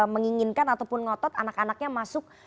menginginkan ataupun ngotot anak anaknya masuk